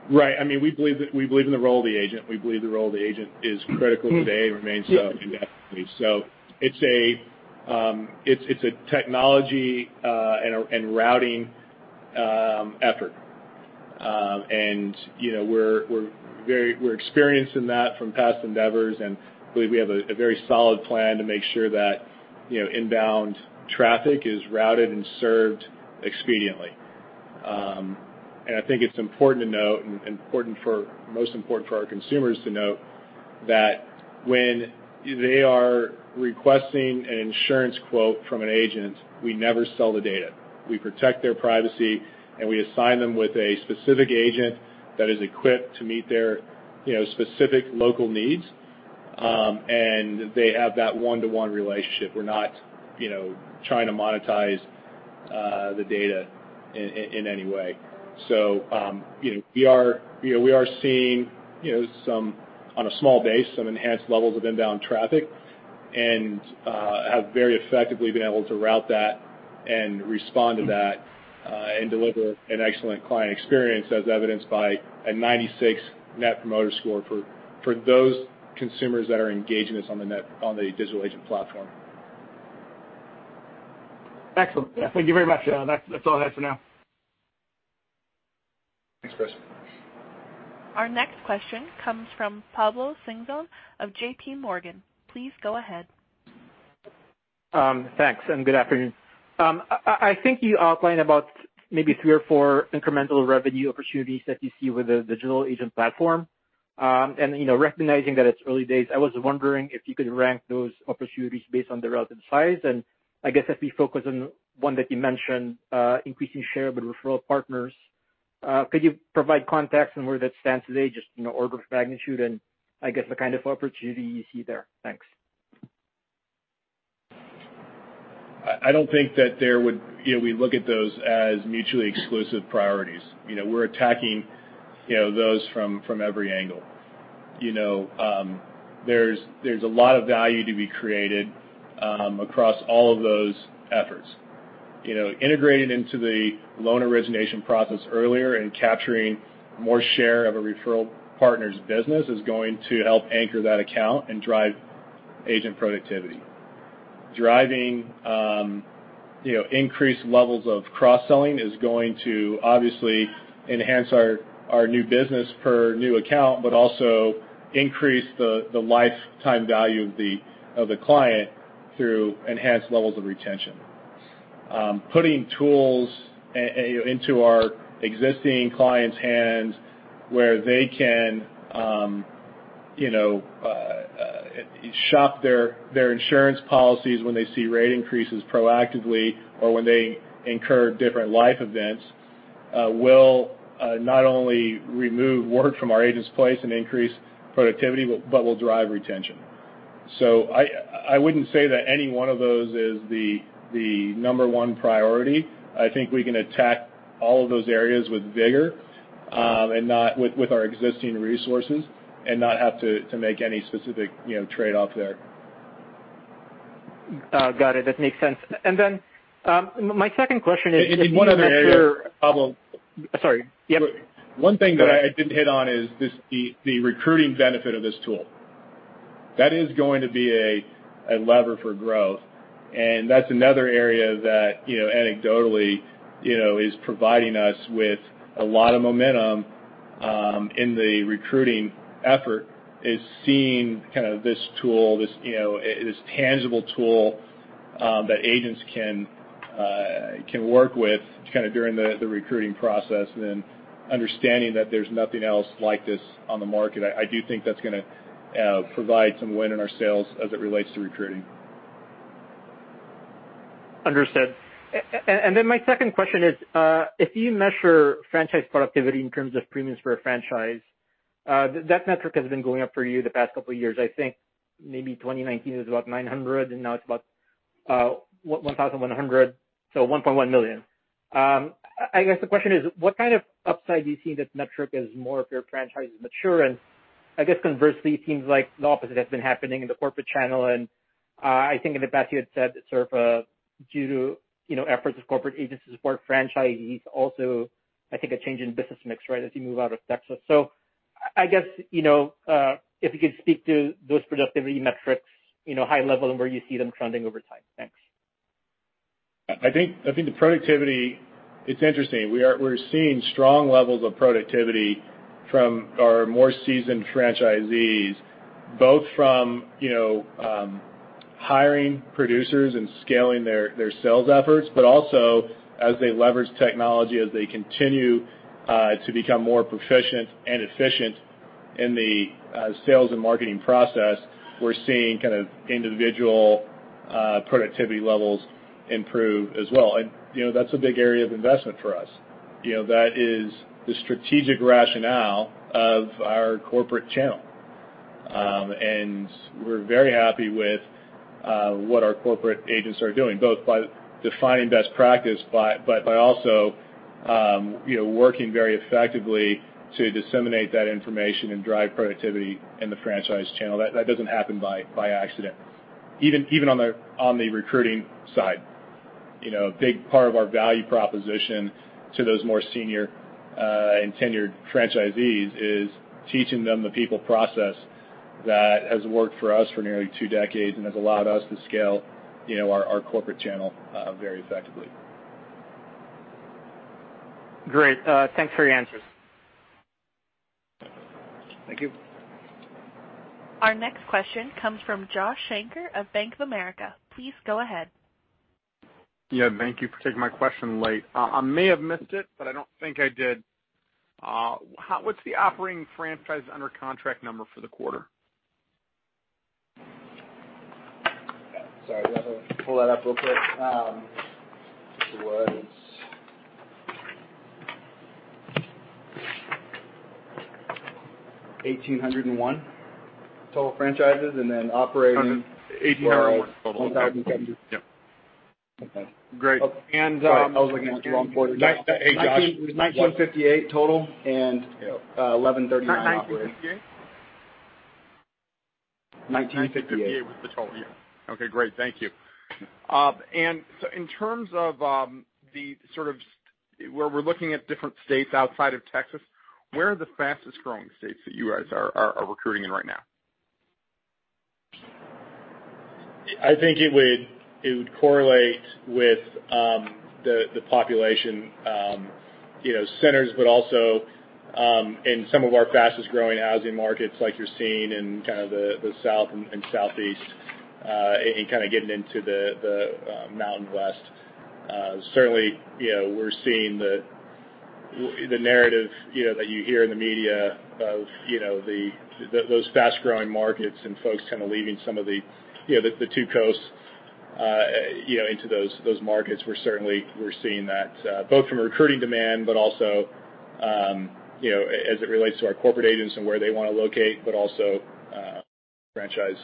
Speaker 4: Right. I mean, we believe in the role of the agent. We believe the role of the agent is critical today and remains so indefinitely. It's a technology and routing effort. And you know, we're experienced in that from past endeavors, and believe we have a very solid plan to make sure that you know, inbound traffic is routed and served expediently. I think it's important to note, and most important for our consumers to note that when they are requesting an insurance quote from an agent, we never sell the data. We protect their privacy, and we assign them with a specific agent that is equipped to meet their you know, specific local needs, and they have that one-to-one relationship. We're not, you know, trying to monetize the data in any way. You know, we are seeing, you know, some on a small base, some enhanced levels of inbound traffic and have very effectively been able to route that and respond to that and deliver an excellent client experience as evidenced by a 96 Net Promoter Score for those consumers that are engaging us on the Digital Agent platform.
Speaker 11: Excellent. Yeah, thank you very much. That's all I have for now.
Speaker 4: Thanks, Chris.
Speaker 1: Our next question comes from Pablo Singzon of J.P. Morgan. Please go ahead.
Speaker 12: Thanks, and good afternoon. I think you outlined about maybe three or four incremental revenue opportunities that you see with the Digital Agent platform. You know, recognizing that it's early days, I was wondering if you could rank those opportunities based on the relative size. I guess if we focus on one that you mentioned, increasing share with referral partners, could you provide context on where that stands today, just in order of magnitude and I guess the kind of opportunity you see there? Thanks.
Speaker 4: You know, we look at those as not mutually exclusive priorities. You know, we're attacking, you know, those from every angle. You know, there's a lot of value to be created across all of those efforts. You know, integrating into the loan origination process earlier and capturing more share of a referral partner's business is going to help anchor that account and drive agent productivity. Driving increased levels of cross-selling is going to obviously enhance our new business per new account, but also increase the lifetime value of the client through enhanced levels of retention. Putting tools into our existing clients' hands where they can, you know, shop their insurance policies when they see rate increases proactively or when they incur different life events will not only remove work from our agents' plate and increase productivity, but will drive retention. I wouldn't say that any one of those is the number one priority. I think we can attack all of those areas with vigor and do so with our existing resources and not have to make any specific, you know, trade-off there.
Speaker 12: Got it. That makes sense. My second question is-
Speaker 4: One other area.
Speaker 12: Sorry. Yep.
Speaker 4: One thing that I didn't hit on is the recruiting benefit of this tool. That is going to be a lever for growth, and that's another area that, you know, anecdotally, you know, is providing us with a lot of momentum in the recruiting effort, is seeing kind of this tool, you know, this tangible tool that agents can work with kind of during the recruiting process and understanding that there's nothing else like this on the market. I do think that's gonna provide some win in our sales as it relates to recruiting.
Speaker 12: Understood. My second question is, if you measure franchise productivity in terms of premiums for a franchise, that metric has been going up for you the past couple of years. I think maybe 2019 it was about $900, and now it's about $1,100, so $1.1 million. I guess the question is, what kind of upside do you see in this metric as more of your franchises mature? I guess conversely, it seems like the opposite has been happening in the corporate channel, and I think in the past you had said it's sort of due to, you know, efforts of corporate agents to support franchisees, also, I think, a change in business mix, right, as you move out of Texas. I guess, you know, if you could speak to those productivity metrics, you know, high level and where you see them trending over time. Thanks.
Speaker 4: I think the productivity, it's interesting. We're seeing strong levels of productivity from our more seasoned franchisees, both from, you know, hiring producers and scaling their sales efforts, but also as they leverage technology, as they continue to become more proficient and efficient in the sales and marketing process, we're seeing kind of individual productivity levels improve as well. You know, that's a big area of investment for us. You know, that is the strategic rationale of our corporate channel. We're very happy with what our corporate agents are doing, both by defining best practice, but by also, you know, working very effectively to disseminate that information and drive productivity in the franchise channel. That doesn't happen by accident. Even on the recruiting side, you know, a big part of our value proposition to those more senior and tenured franchisees is teaching them the people process that has worked for us for nearly two decades and has allowed us to scale, you know, our corporate channel very effectively.
Speaker 12: Great. Thanks for your answers.
Speaker 4: Thank you.
Speaker 1: Our next question comes from Josh Shanker of Bank of America. Please go ahead.
Speaker 13: Yeah, thank you for taking my question late. I may have missed it, but I don't think I did. What's the operating franchise under contract number for the quarter?
Speaker 5: Sorry, let me pull that up real quick. It was 1801 total franchises, and then operating.
Speaker 13: 1801 total.
Speaker 5: One thousand one hundred and seven.
Speaker 13: Yeah. Okay, great.
Speaker 5: Sorry. I was looking at the wrong quarter.
Speaker 4: Hey, Josh.
Speaker 5: It was $1,958 total and $1,139 operating.
Speaker 13: 1958?
Speaker 5: 1958.
Speaker 13: 1958 was the total, yeah. Okay, great. Thank you. In terms of the sort of where we're looking at different states outside of Texas, where are the fastest-growing states that you guys are recruiting in right now?
Speaker 4: I think it would correlate with the population you know centers, but also in some of our fastest-growing housing markets like you're seeing in kind of the Mountain West. Certainly, you know, we're seeing the narrative you know that you hear in the media of you know those fast-growing markets and folks kind of leaving some of the you know the two coasts you know into those markets. We're certainly seeing that both from a recruiting demand, but also you know as it relates to our corporate agents and where they wanna locate, but also franchise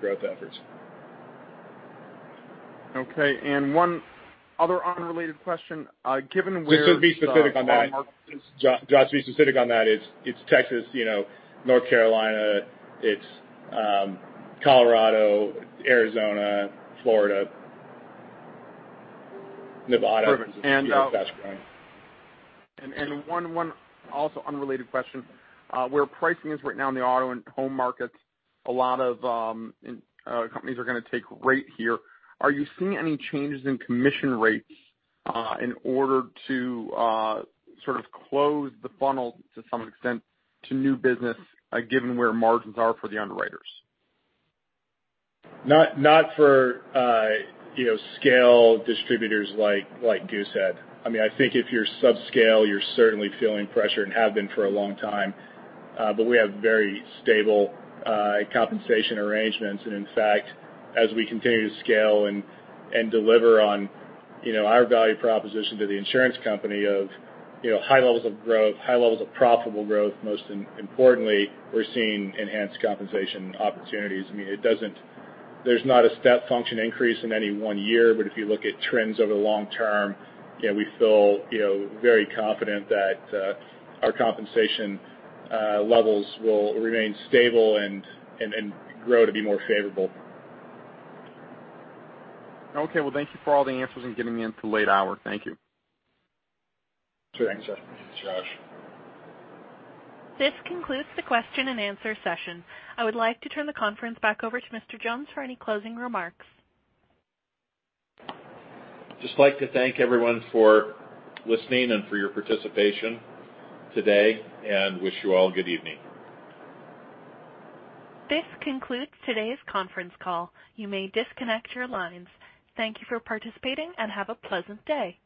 Speaker 4: growth efforts.
Speaker 13: Okay, one other unrelated question. Given where-
Speaker 4: Just to be specific on that, Josh, it's Texas, you know, North Carolina, it's Colorado, Arizona, Florida, Nevada.
Speaker 13: Perfect.
Speaker 4: You know, fast-growing.
Speaker 13: Another unrelated question. Where pricing is right now in the auto and home markets, a lot of companies are gonna take rate here. Are you seeing any changes in commission rates, in order to sort of close the funnel to some extent to new business, given where margins are for the underwriters?
Speaker 4: Not for scale distributors like Goosehead. I mean, I think if you're subscale, you're certainly feeling pressure and have been for a long time, but we have very stable compensation arrangements. In fact, as we continue to scale and deliver on our value proposition to the insurance company of high levels of growth, high levels of profitable growth, most importantly, we're seeing enhanced compensation opportunities. I mean, it doesn't. There's not a step function increase in any one year, but if you look at trends over the long term, you know, we feel very confident that our compensation levels will remain stable and grow to be more favorable.
Speaker 13: Okay, well, thank you for all the answers and getting me in at the late hour. Thank you.
Speaker 4: Sure.
Speaker 5: Thanks, Josh.
Speaker 1: This concludes the question and answer session. I would like to turn the conference back over to Mr. Jones for any closing remarks.
Speaker 3: Just like to thank everyone for listening and for your participation today and wish you all good evening.
Speaker 1: This concludes today's conference call. You may disconnect your lines. Thank you for participating and have a pleasant day.